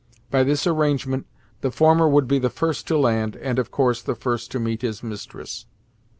By this arrangement, the former would be the first to land, and of course, the first to meet his mistress.